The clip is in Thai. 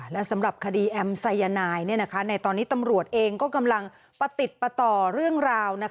และสำหรับคดีแอมไซยานายในตอนนี้ตำรวจเองก็กำลังประติดประต่อเรื่องราว